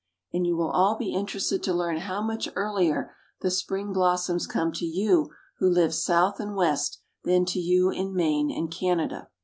And you will all be interested to learn how much earlier the spring blossoms come to you who live South and West than to you in Maine and Canada.